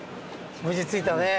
無事着いたね。